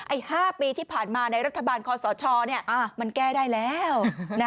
๕ปีที่ผ่านมาในรัฐบาลคอสชมันแก้ได้แล้ว